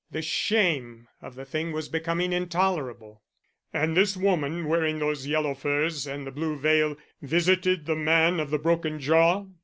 The shame of the thing was becoming intolerable. "And this woman wearing those yellow furs and the blue veil visited the man of the broken jaw?"